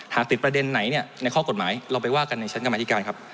ติดประเด็นไหนเนี่ยในข้อกฎหมายเราไปว่ากันในชั้นกรรมธิการครับ